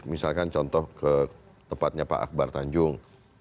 misalkan contoh ke tempatnya pak akbar tanjung